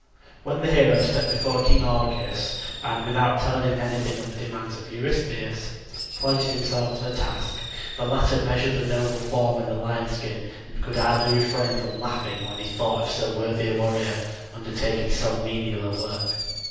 When the hero stepped before King Augeas and without telling him anything of the demands of Eurystheus, pledged himself to the task, the latter measured the noble form in the lion skin and could hardly refrain from laughing when he thought of so worthy a warrior undertaking so menial a work.